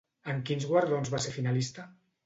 En quins guardons va ser finalista?